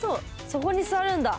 そこに座るんだ。